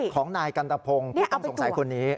ของนายกันตะพงศ์ผู้ต้องสงสัยคนนี้